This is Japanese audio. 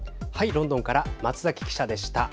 ロンドンから松崎記者でした。